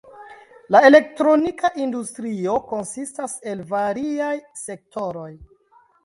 La elektronika industrio konsistas el variaj sektoroj.